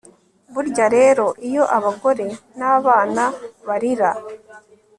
burya rero iyo abagore n'abana barira